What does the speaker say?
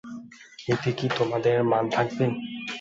এতে কি তোমাদের মান থাকবে?